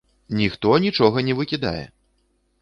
Ніхто нічога не выкідае!